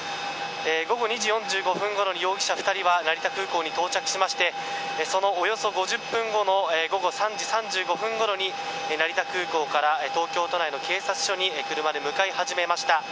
午後２時４５分ごろに容疑者２人は成田空港に到着しましてそのおよそ５０分後の午後３時３５分ごろに成田空港から東京都内の警察署に車で向かい始めました。